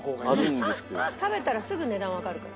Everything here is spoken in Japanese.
食べたらすぐ値段わかるから。